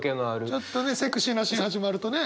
ちょっとねセクシーなシーンが始まるとね。